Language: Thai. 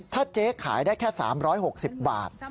ถ้าเจ๊ขายได้แค่๓๖๐บาท